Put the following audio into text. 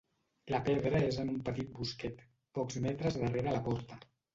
La pedra és en un petit bosquet, pocs metres darrere la porta.